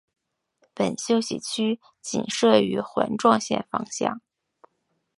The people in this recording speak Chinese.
本休息区仅设于环状线方向。